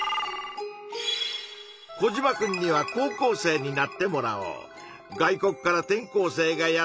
コジマくんには高校生になってもらおう。